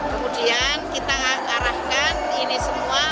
kemudian kita arahkan ini semua